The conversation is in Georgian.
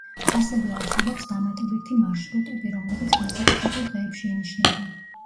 ასევე არსებობს დამატებითი მარშრუტები, რომლებიც განსაკუთრებულ დღეებში ინიშნება.